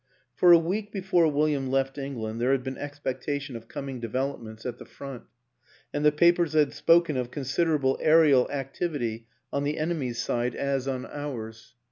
For a week before William left England there had been expectation of coming developments at the front, and the papers had spoken of " con siderable aerial activity," on the enemy's side as WILLIAM AN ENGLISHMAN 267 on ours.